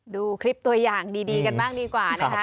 ดูคลิปตัวอย่างดีกันบ้างดีกว่านะคะ